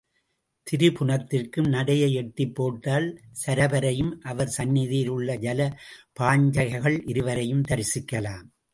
திரிபுனத்திற்கும் நடையை எட்டிப் போட்டால் சரபரையும் அவர் சந்நிதியில் உள்ள ஜல பாஞ்சிகைகள் இருவரையும் தரிசிக்கலாம்.